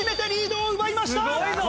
すごいぞ。